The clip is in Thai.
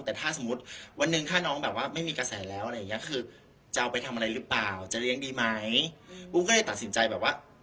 เด็ก๑วันหนึ่งค่ะน้องไม่มีกระแสแล้ว